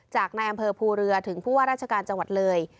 จากในอำเภอภูเรือถึงผู้ว่าราชการจังหวัดเลย